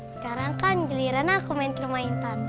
sekarang kan giliran aku main ke rumah intan